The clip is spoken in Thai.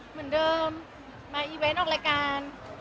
เหมือนเดิมมาอีเวนต์ออกรายการ